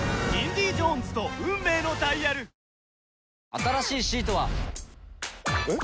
新しいシートは。えっ？